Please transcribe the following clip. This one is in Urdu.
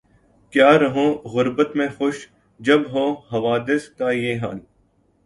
کیا رہوں غربت میں خوش جب ہو حوادث کا یہ حال